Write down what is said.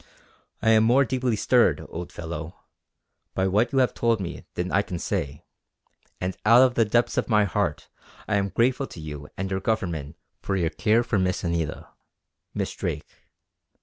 I am more deeply stirred, old fellow, by what you have told me than I can say; and out of the depths of my heart I am grateful to you and your Government for your care for Miss Anita Miss Drake.